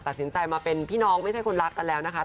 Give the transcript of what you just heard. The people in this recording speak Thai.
ตัดสินใจมาเป็นพี่น้องไม่ใช่คนรักกันแล้วนะคะ